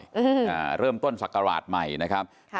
อ่าเริ่มต้นศักราชใหม่นะครับค่ะ